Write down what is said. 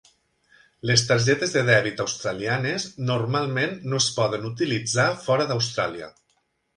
Les targetes de dèbit australianes normalment no es poden utilitzar fora d'Austràlia.